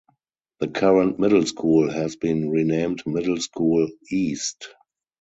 The current middle school has been renamed Middle School East.